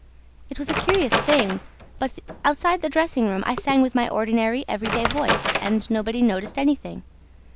It was a curious thing, but, outside the dressing room, I sang with my ordinary, every day voice and nobody noticed anything.